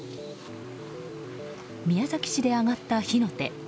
宮崎市で上がった火の手。